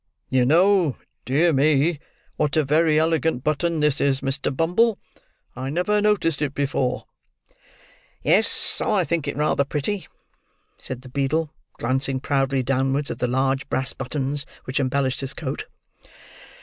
You know—dear me, what a very elegant button this is, Mr. Bumble! I never noticed it before." "Yes, I think it rather pretty," said the beadle, glancing proudly downwards at the large brass buttons which embellished his coat.